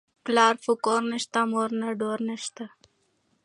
ـ پلار په کور نشته، مور نه ډار نشته.